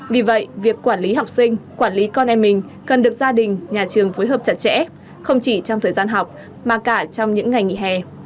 vì vậy việc quản lý học sinh quản lý con em mình cần được gia đình nhà trường phối hợp chặt chẽ không chỉ trong thời gian học mà cả trong những ngày nghỉ hè